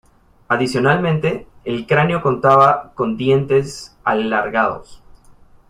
Adicionalmente, el cráneo contaba con dientes alargados.